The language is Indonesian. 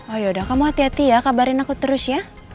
oh yaudah kamu hati hati ya kabarin aku terus ya